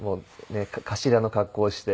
頭の格好をして。